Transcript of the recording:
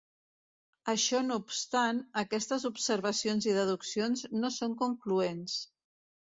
Això no obstant, aquestes observacions i deduccions no són concloents.